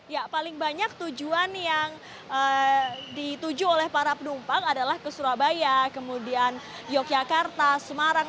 ya paling banyak tujuan yang dituju oleh para penumpang adalah ke surabaya kemudian yogyakarta semarang